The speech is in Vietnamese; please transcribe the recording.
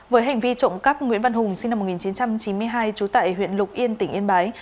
với hành vi trộm cắp nguyễn văn hùng sinh năm một nghìn chín trăm chín mươi hai trú tại huyện lục yên tỉnh yên bái